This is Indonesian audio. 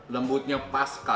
lembutnya pas sekali